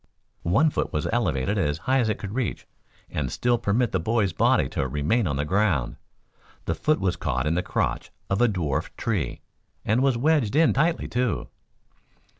One foot was elevated as high as it could reach and still permit the boy's body to remain on the ground. The foot was caught in the crotch of a dwarfed tree, and was wedged in tightly, too.